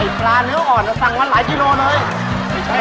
ปลาเนื้ออ่อนสั่งวันหลายกิโลเลย